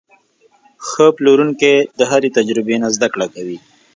ښه پلورونکی د هرې تجربې نه زده کړه کوي.